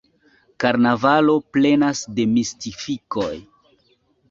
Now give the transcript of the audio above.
Karnavalo plenas de mistifikoj.